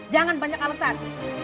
jangan banyak alasan